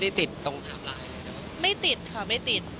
อย่างขาวที่